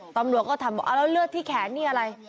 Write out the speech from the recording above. ตำรวจก็ถามบอกเอาแล้วเลือดที่แขนนี่อะไร